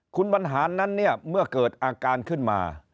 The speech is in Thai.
คุณบรรหารนั้นเนี่ยเมื่อเกิดอาการขึ้นมา